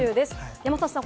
山里さん